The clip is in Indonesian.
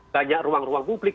banyak ruang ruang publik